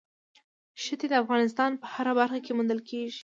ښتې د افغانستان په هره برخه کې موندل کېږي.